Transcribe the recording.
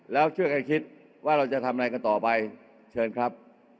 แล้วช่วยกันคิดว่าเราจะทำอะไรกันต่อไปเชิญครับ